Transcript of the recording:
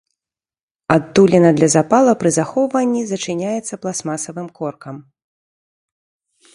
Адтуліна для запала пры захоўванні зачыняецца пластмасавым коркам.